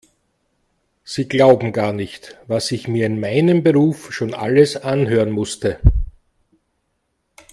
Sie glauben gar nicht, was ich mir in meinem Beruf schon alles anhören musste.